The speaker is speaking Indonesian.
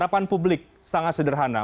harapan publik sangat sederhana